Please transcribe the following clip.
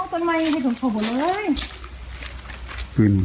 ไปบ้านเหรอ